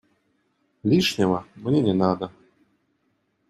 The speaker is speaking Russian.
Лишнего мне не надо.